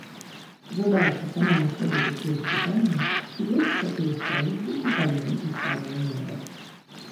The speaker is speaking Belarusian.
Задаўшы самому сабе такія запытанні, дзед схапіў стрэльбу і пальнуў у самае неба.